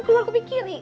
keluar ke ping kiri